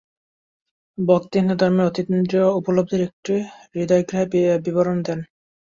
বক্তা হিন্দুধর্মের অতীন্দ্রিয় উপলব্ধির একটি হৃদয়গ্রাহী বিবরণ দেন।